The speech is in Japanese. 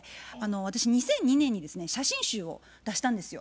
私２００２年にですね写真集を出したんですよ。